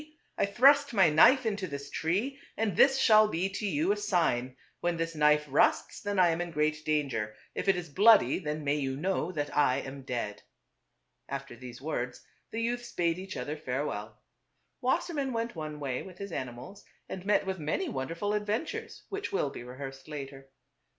I thrust my knife into this tree, and this shall be to you a sign : when this knife rusts then I am in great danger ; if it is bloody then may you know that I am dead." After these words the youths bade each other farewell. Wassermann went one way with his animals and met with many wonderful adven tures which will be rehearsed later.